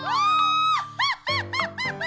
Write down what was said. アハハハハハハ！